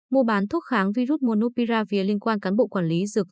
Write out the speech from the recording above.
mua bán thuốc kháng virus monopiav liên quan cán bộ quản lý dược